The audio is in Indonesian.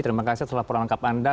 terima kasih atas laporan lengkap anda